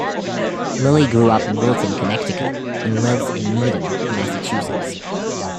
Lilly grew up in Wilton, Connecticut and lives in Needham, Massachusetts.